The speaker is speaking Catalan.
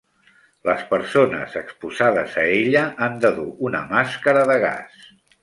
Les persones exposades a ella han de dur una màscara de gas.